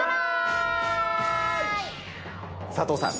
佐藤さん